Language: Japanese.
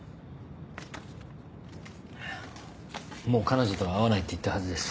もう彼女とは会わないって言ったはずです。